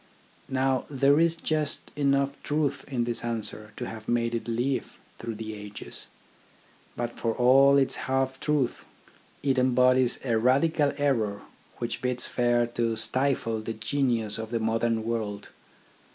Now there is just enough truth in this answer to have made it live through the ages. But for all its half truth, it embodies a radical error which bids fair to stifle the genius of the modern world.